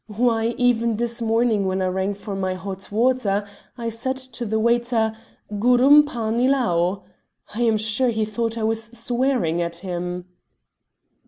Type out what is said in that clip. Why, even this morning, when I rang for my hot water, I said to the waiter, 'Gurrum pani lao.' I am sure he thought I was swearing at him."